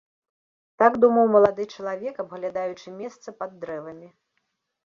Так думаў малады чалавек, абглядаючы месца пад дрэвамі.